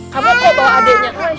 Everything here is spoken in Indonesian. kamu bawa adeknya